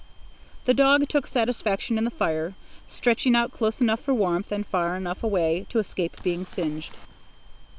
The dog took satisfaction in the fire, stretching out close enough for warmth and far enough away to escape being singed.